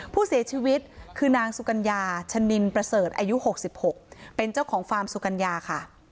ผู้เสียชีวิตคือนางสุกัญญาชะนินประเสริฐอายุ๖๖เป็นเจ้าของฟาร์มสุกัญญาค่ะ